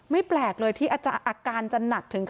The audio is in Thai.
ไม่แปลกเลยที่อาการจะหนัดถึงณ